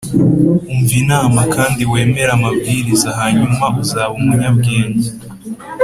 umva inama kandi wemere amabwiriza, hanyuma uzabe umunyabwenge